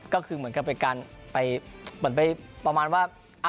ก็คือเหมือนกันไปการประมาณว่า